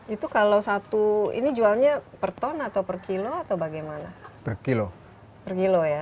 itu kalau satu ini jualnya per ton atau per kilo atau bagaimana per kilo per kilo ya